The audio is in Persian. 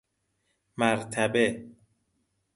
مرتبه